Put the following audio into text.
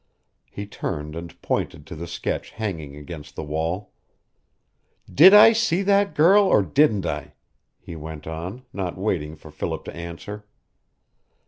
He turned and pointed to the sketch hanging against the wall. "Did I see that girl, or didn't I?" he went on, not waiting for Philip to answer.